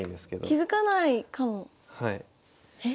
気付かないかもえ？